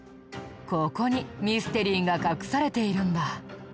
ここにミステリーが隠されているんだ。